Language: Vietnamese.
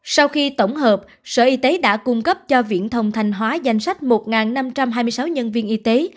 sau khi tổng hợp sở y tế đã cung cấp cho viện thông thanh hóa danh sách một năm trăm hai mươi sáu nhân viên y tế